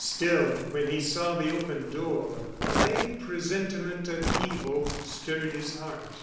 Still, when he saw the open door, a vague presentiment of evil stirred his heart.